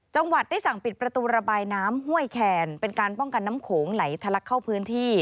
จังหวัดได้สั่งปิดประตูระบายน้ำห้วยแขนเป็นการป้องกันน้ำโขงไหลทะลักเข้าพื้นที่